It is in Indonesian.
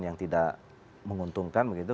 yang tidak menguntungkan begitu